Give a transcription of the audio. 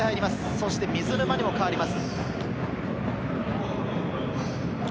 そして水沼も代わります。